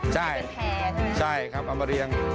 ใช่ใช่เอามาเรียง